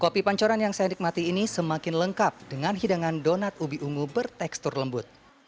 kopi pancoran yang saya nikmati ini semakin lengkap dengan hidangan donat ubi ungu bertekstur lembut